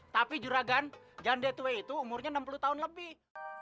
tapi juragan jandedway itu umurnya enam puluh tahun lebih